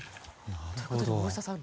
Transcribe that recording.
ということで大下さん